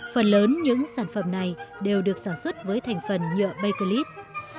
phần lớn những sản phẩm này đều được sản xuất với thành phần nhựa bakelite